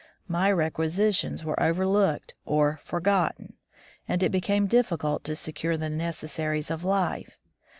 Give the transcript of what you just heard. My requisitions were overlooked or "for gotten," and it became difficult to secure the necessaries of life.